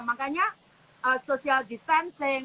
makanya social distancing